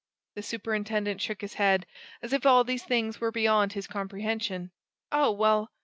The superintendent shook his head, as if all these things were beyond his comprehension. "Oh, well!"